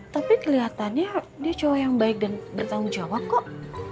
tapi kelihatannya dia coba yang baik dan bertanggung jawab kok